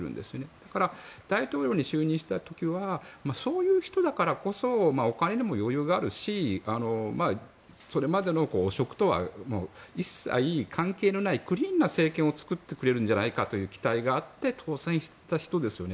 それから、大統領に就任した時はそういう人だからこそお金にも余裕があるしそれまでの汚職とはもう一切関係のないクリーンな政権を作ってくれるんじゃないかという期待があって当選した人ですよね。